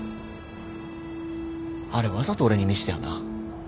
あれわざと俺に見したよな？